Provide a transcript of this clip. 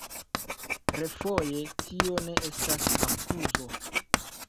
Refoje, tio ne estas akuzo.